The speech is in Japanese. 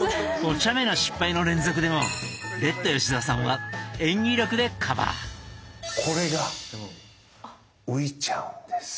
おちゃめな失敗の連続でもレッド吉田さんはこれが浮いちゃうんです。